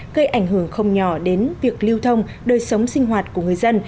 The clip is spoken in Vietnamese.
gây ảnh hưởng không nhỏ đến việc lưu thông đời sống sinh hoạt của người dân